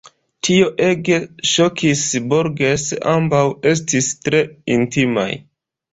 Tio ege ŝokis Borges: ambaŭ estis tre intimaj.